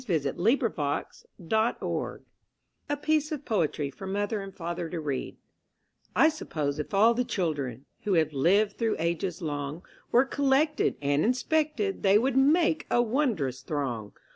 Previous Index Next Page 4—Baby Rhymes A Piece of Poetry for Mother and Father to Read I suppose if all the children, Who have lived through ages long, Were collected and inspected They would make a wondrous throng.